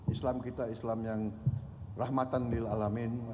islam kita islam yang rahmatan lil'alamin